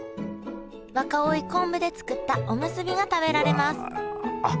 若生昆布で作ったおむすびが食べられます